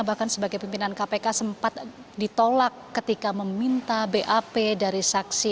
bahkan sebagai pimpinan kpk sempat ditolak ketika meminta bap dari saksi